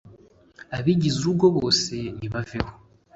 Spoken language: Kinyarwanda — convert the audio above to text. abagize urugo bose nibaveho